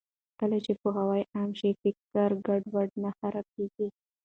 کله چې پوهاوی عام شي، فکري ګډوډي نه خپرېږي.